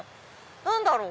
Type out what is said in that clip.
何だろう？